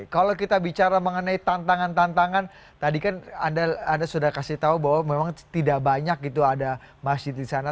kalau kita bicara mengenai tantangan tantangan tadi kan anda sudah kasih tahu bahwa memang tidak banyak gitu ada masjid di sana